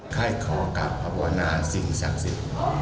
ข้าขอกับอบวณาสิ่งศักดิ์สิทธิ์